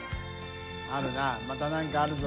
あるなまた何かあるぞ。